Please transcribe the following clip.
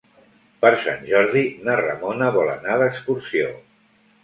Per Sant Jordi na Ramona vol anar d'excursió.